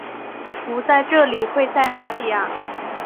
不在这里会在哪里啊？